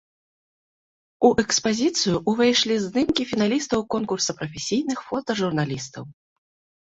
У экспазіцыю ўвайшлі здымкі фіналістаў конкурса прафесійных фотажурналістаў.